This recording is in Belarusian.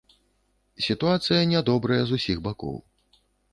Сітуацыя нядобрая з усіх бакоў.